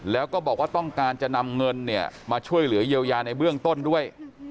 แล้วก็บอกว่าต้องการจะนำเงินมาช่วยเหลือเยียวยาในเบื้องต้นด้วย